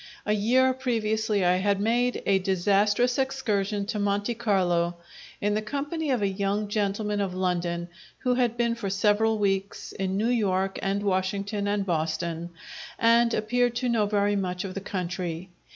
A year previously I had made a disastrous excursion to Monte Carlo in the company of a young gentleman of London who had been for several weeks in New York and Washington and Boston, and appeared to know very much of the country.